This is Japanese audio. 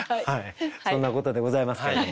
そんなことでございますけれども。